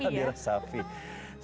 di resapi ya